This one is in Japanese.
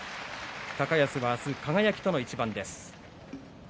高安は数輝との一番です。